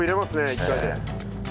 １回で。